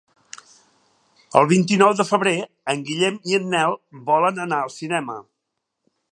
El vint-i-nou de febrer en Guillem i en Nel volen anar al cinema.